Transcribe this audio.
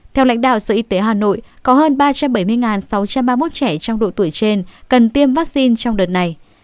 theo lãnh đạo sở y tế hà nội có hơn ba trăm bảy mươi sáu trăm ba mươi một trẻ trong độ tuổi trên cần tiêm vaccine trong đợt này